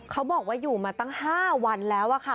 เขาบอกว่าอยู่มาตั้ง๕วันแล้วค่ะ